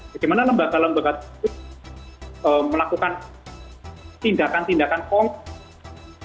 bagaimana lembaga lembaga tersebut melakukan tindakan tindakan kong